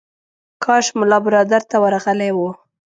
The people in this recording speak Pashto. کاش ملا برادر ته ورغلی و.